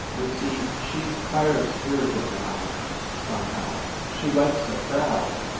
You see, she s higher spirited than I am, somehow. She likes a crowd.